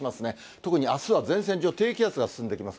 特にあすは前線上低気圧が進んできます。